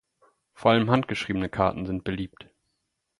Vor allem handgeschriebene Karten sind beliebt.